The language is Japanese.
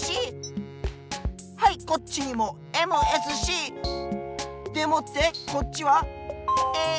はいこっちにもＭＳＣ！でもってこっちはＡＳＣ！